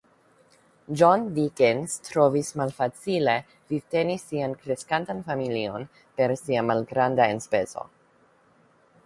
John Dickens trovis malfacile vivteni sian kreskantan familion per sia malgranda enspezo.